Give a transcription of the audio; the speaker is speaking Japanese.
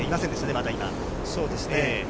まだ今。